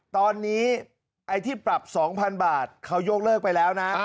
ตอนนี้ไอ้ที่ปรับ๒๐๐๐บาทเขายกเลิกไปแล้วนะ